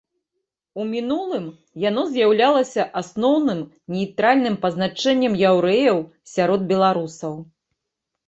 У мінулым, яно з'яўлялася асноўным нейтральным пазначэннем яўрэяў сярод беларусаў.